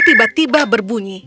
telepon hotel tiba tiba berbunyi